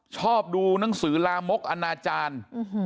ชอบดูหนังสือลามกอนาจารย์